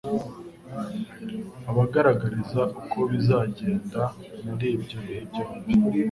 Abagaragariza uko bizagenda muri ibyo bihe byombi,